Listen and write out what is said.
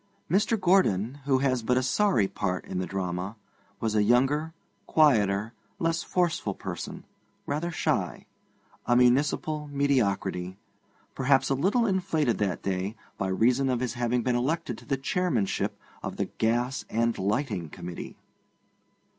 Mr. Gordon, who has but a sorry part in the drama, was a younger, quieter, less forceful person, rather shy; a municipal mediocrity, perhaps a little inflated that day by reason of his having been elected to the Chairmanship of the Gas and Lighting Committee.